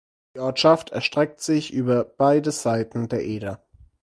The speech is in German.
Die Ortschaft erstreckt sich über beide Seiten der Eder.